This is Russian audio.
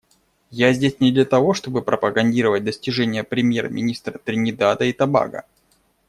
Я здесь не для того, чтобы пропагандировать достижения премьер-министра Тринидада и Тобаго.